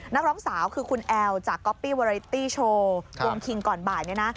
นักร้องสาวคือคุณแอลจากก๊อปปี้เวอริตตี้โชว์วงคิงก่อนบ่ายเนี่ยนะ